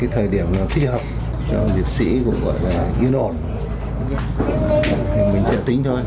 thích hợp cho liệt sĩ cũng gọi là yên ổn mình sẽ tính thôi